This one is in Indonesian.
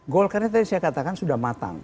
golkarnya tadi saya katakan sudah matang